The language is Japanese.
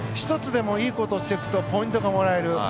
１つでもいいことをしていくとポイントがもらえる。